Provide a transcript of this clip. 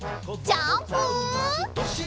ジャンプ！